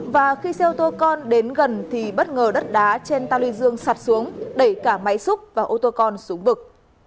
và khi xe ô tô con đến gần thì bất ngờ đất đá trên tàu lưu dương sạt xuống đẩy cả máy xúc và ô tô con xuống vực